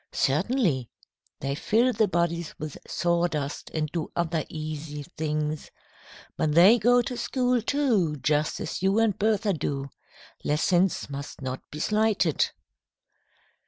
"Certainly. They fill the bodies with sawdust, and do other easy things. But they go to school, too, just as you and Bertha do. Lessons must not be slighted."